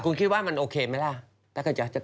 คุณคิดว่ามันโอเคไหมล่ะถ้าเค้าจะแตะ